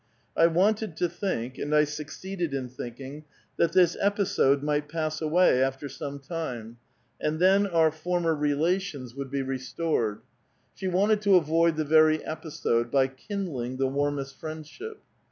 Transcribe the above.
I wanted to think, and I succeeded in thinking, that this episode might pass away after some time, and then our former relations would 818 A VITAL QUESTION. be restored. She wanted to avoid 4;he very episode, bj* kind ling tlie wannest friendship.